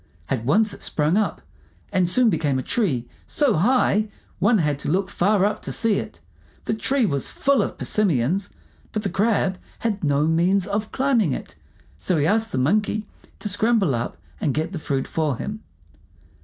At once it sprung up, and soon became a tree so high one had to look far up to see it. The tree was full of persimmons, but the Crab had no means of climbing it, so he asked the Monkey to scramble up and get the fruit for him.